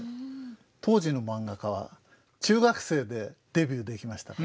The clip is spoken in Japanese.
当時のマンガ家は中学生でデビューできましたから。